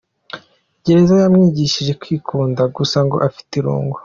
Gereza yamwigishije kwikunda gusa ngo afite irungu.